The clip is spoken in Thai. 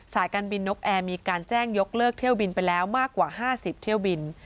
การบินนกแอร์มีการแจ้งยกเลิกเที่ยวบินไปแล้วมากกว่า๕๐เที่ยวบิน